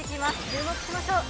注目しましょう。